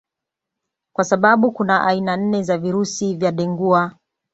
Kwa sababu kuna aina nne za virusi vya Dengua